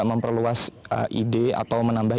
memperluas ide atau menambah